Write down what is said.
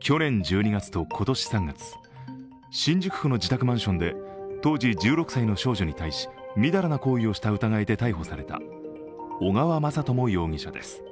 去年１２月と今年３月新宿区の自宅マンションで当時１６歳の少女に対し淫らな行為をした疑いで逮捕された小川雅朝容疑者です。